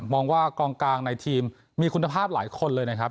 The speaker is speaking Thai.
มองว่ากองกลางในทีมมีคุณภาพหลายคนเลยนะครับ